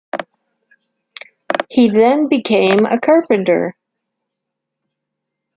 He then became a carpenter.